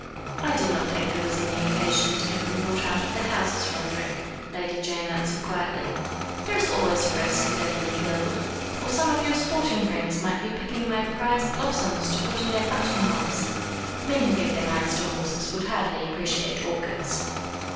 "I did not think there was any occasion to have them brought out of the houses, Roderick," Lady Jane answered quietly; "there is always a risk of their being killed, or some of your sporting friends might be picking my prize blossoms to put in their button holes. Men who give their minds to horses would hardly appreciate orchids."